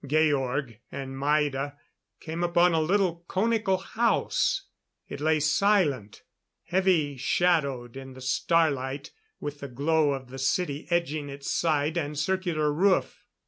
Georg and Maida came upon a little conical house; it lay silent, heavy shadowed in the starlight with the glow of the city edging its side and circular roof.